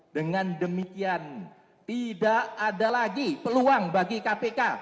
dengan demikian tidak ada lagi peluang bagi kpk